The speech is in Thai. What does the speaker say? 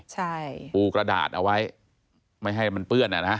ใช่ปูกระดาษเอาไว้ไม่ให้มันเปื้อนอ่ะนะ